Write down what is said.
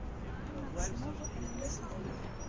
Bɣiɣ ad tessneḍ memmi-s n ɛemmi.